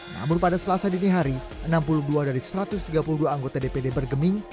namun pada selasa dini hari enam puluh dua dari satu ratus tiga puluh dua anggota dpd bergeming